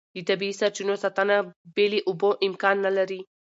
د طبیعي سرچینو ساتنه بې له اوبو امکان نه لري.